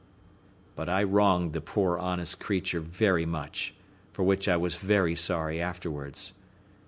But I wronged the poor honest creature very much, for which I was very sorry afterwards.